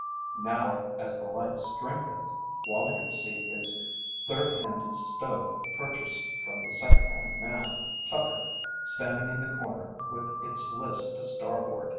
Now, as the light strengthened, Wallie could see his third handed stove purchased from the secondhand man, Tucker, standing in the corner with its list to starboard.